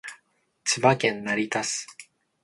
千葉県成田市